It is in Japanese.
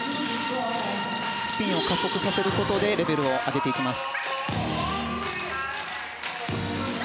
スピンを加速させることでレベルを上げていきます。